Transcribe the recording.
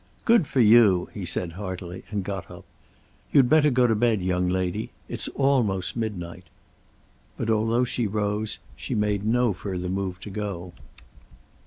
"Good for you," he said heartily, and got up. "You'd better go to bed, young lady. It's almost midnight." But although she rose she made no further move to go.